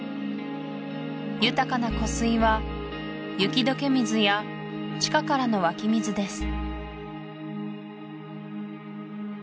豊かな湖水は雪解け水や地下からの湧き水です